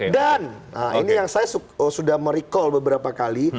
dan ini yang saya sudah merecall beberapa kali